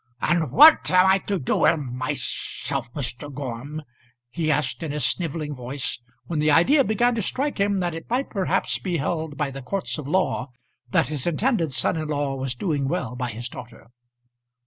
"And what am I to do with myself; Mr. Gorm?" he asked in a snivelling voice, when the idea began to strike him that it might perhaps be held by the courts of law that his intended son in law was doing well by his daughter.